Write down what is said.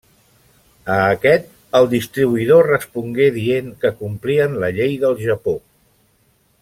A aquest el distribuïdor respongué dient que complien la llei del Japó.